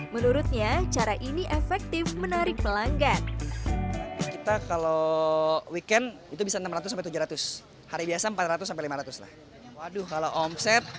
menurutnya cara ini efektif menarik pelanggan